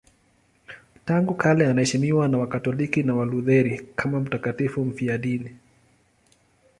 Tangu kale anaheshimiwa na Wakatoliki na Walutheri kama mtakatifu mfiadini.